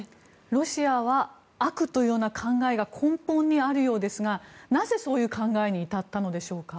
ロシアは悪という考えが根本にあるようですがなぜ、そういう考えに至ったのでしょうか？